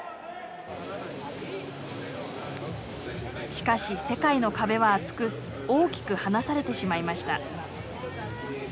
しかし世界の壁は厚く大きく離されてしまいました。